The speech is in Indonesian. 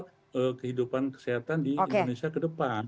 transparansi dan kesehatan di indonesia ke depan